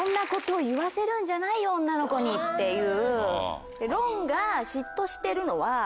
女の子にっていう。